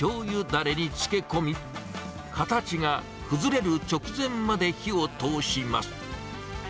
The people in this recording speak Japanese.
だれに漬け込み、形が崩れる直前まで火を通します。